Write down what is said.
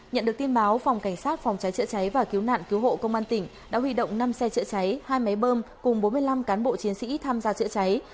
nhận được tin báo phòng cảnh sát phòng cháy chữa cháy và cứu nạn cứu hộ công an tỉnh đã huy động năm xe chữa cháy hai máy bơm cùng bốn mươi năm cán bộ chiến sĩ tham gia chữa cháy